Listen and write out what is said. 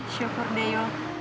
syukur deh yuk